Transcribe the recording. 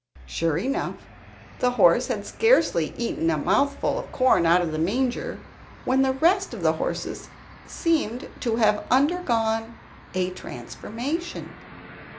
Sure enough, the horse had scarcely eaten a mouthful of corn out of the manger, when the rest of the horses seemed to have undergone a transformation.